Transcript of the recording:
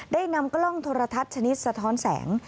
ได้นำกล้องโทรทัศน์ชนิดสะท้อนแสง